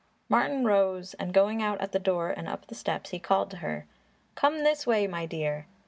Martin rose and going out at the door and up the steps, he called to her. "Come this way, my dear!"